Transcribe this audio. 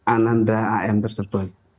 ananda a m tersebut